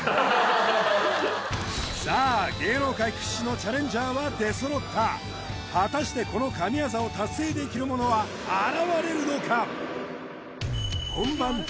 芸能界屈指のチャレンジャーは出そろった果たしてこの神業を達成できる者は現れるのか？